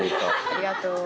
ありがとう。